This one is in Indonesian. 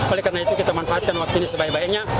oleh karena itu kita manfaatkan waktu ini sebaik baiknya